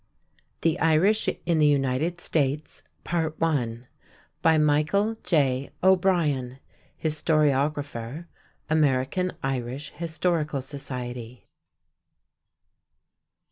THE IRISH IN THE UNITED STATES By MICHAEL J. O'BRIEN, Historiographer, American Irish Historical Society.